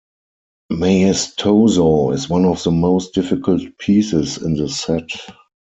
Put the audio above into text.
"Maestoso" is one of the most difficult pieces in the set.